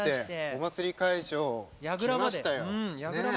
お祭り会場、来ましたよ。